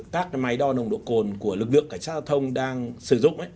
các máy đo nồng độ cồn của lực lượng cảnh sát giao thông đang sử dụng